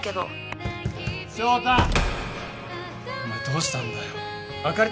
お前どうしたんだよ？